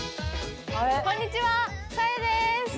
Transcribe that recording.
こんにちはさえです！